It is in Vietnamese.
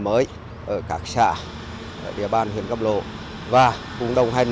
mới ở các xã ở địa bàn huyện cầm lộ và cùng đồng hành